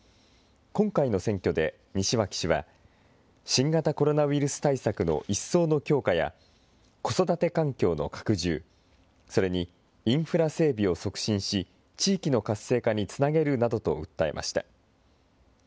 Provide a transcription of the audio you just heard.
今回の選挙で西脇氏は、新型コロナウイルス対策の一層の強化や、子育て環境の拡充、それにインフラ整備を促進し、地域の活性化につなげるなどと訴えました。